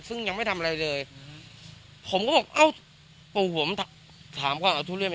ซึ่งยังไม่ทำเลยเดยยงผมก็บอกขอผมทำก็เอาทุเรียน